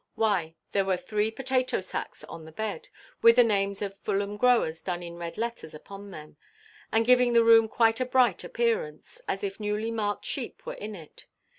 Why, there were three potato–sacks on the bed, with the names of Fulham growers done in red letters upon them, and giving the room quite a bright appearance, as if newly–marked sheep were in it.